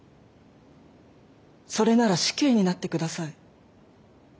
それなら死刑になってください。